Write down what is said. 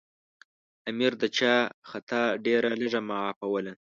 امیر د چا خطا ډېره لږه معافوله.